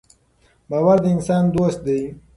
باور د انسان دوست دی.